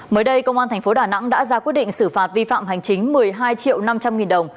mới đây công an tp đà nẵng đã ra quyết định xử phạt vi phạm hành chính một mươi hai triệu năm trăm linh nghìn đồng